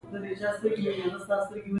په کې د هديرې په لحد کې بېرته سر راپورته کړ.